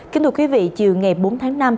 kính thưa quý vị chiều ngày bốn tháng năm